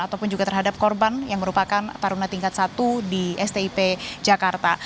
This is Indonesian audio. ataupun juga terhadap korban yang merupakan taruna tingkat satu di stip jakarta